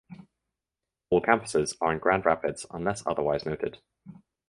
All campuses are in Grand Rapids unless otherwise noted.